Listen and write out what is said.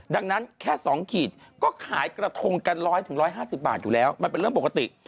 ดังนั้นแค่๒ขีดก็ขายกระทงกัน๑๐๐๑๕๐บาทอยู่แล้วมันเป็นเรื่องปกติ